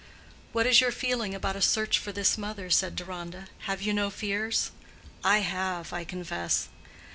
"What is your feeling about a search for this mother?" said Deronda. "Have you no fears? I have, I confess."